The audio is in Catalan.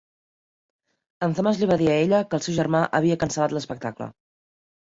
En Thomas li va dir a ella que el seu germà havia cancel·lat l'espectacle.